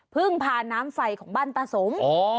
เพิ่งพาน้ำไฟของบ้านตาสม